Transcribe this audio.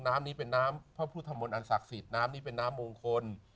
น้ำนี้เป็นน้ำพระพุทธมนต์อันศักดิ์สิทธิ์น้ำนี้เป็นน้ำมงคล